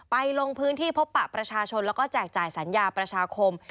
ลงพื้นที่พบปะประชาชนแล้วก็แจกจ่ายสัญญาประชาคม